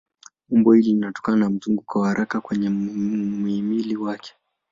Umbo hili linatokana na mzunguko wa haraka kwenye mhimili wake.